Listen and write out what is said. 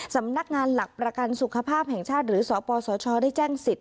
สำนักงานหลักประกันสุขภาพแห่งชาติหรือสปสชได้แจ้งสิทธิ